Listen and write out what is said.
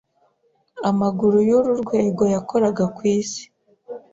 Amaguru y’uru rwego yakoraga ku isi,